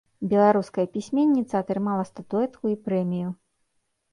Беларуская пісьменніца атрымала статуэтку і прэмію.